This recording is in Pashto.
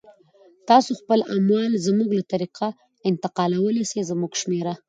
تاسو خپل اموال زموږ له طریقه انتقالولای سی، زموږ شمیره